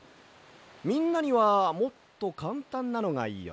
みんなにはもっとかんたんなのがいいよね。